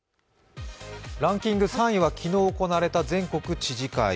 ランキング３位は昨日行われた全国知事会。